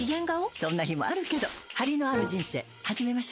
そんな日もあるけどハリのある人生始めましょ。